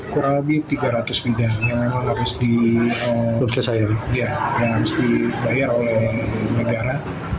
kurang lebih tiga ratus bidang yang memang harus dibayar oleh negara